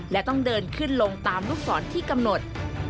และต้องเดินขึ้นลงตามลูกศรที่กำหนด